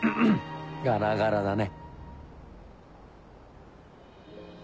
ガラガラだね。